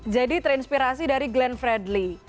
jadi terinspirasi dari glenn fredly